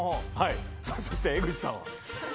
そして江口さんは？